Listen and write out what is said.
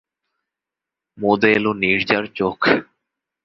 মুদে এল নীরজার চোখ।